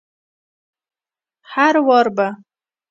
هروار به